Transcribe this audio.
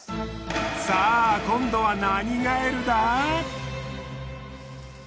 さぁ今度は何ガエルだ？